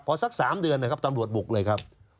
พอสัก๓เดือนนะครับตำรวจบุกเลยครับ